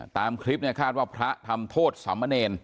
ตามคลิปเนี่ยคาดว่าพระทำโทษสามเณร